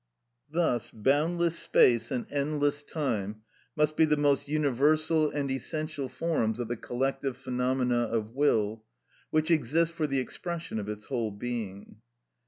Thus boundless space and endless time must be the most universal and essential forms of the collective phenomena of will, which exist for the expression of its whole being.